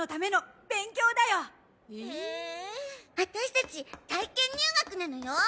ワタシたち体験入学なのよ。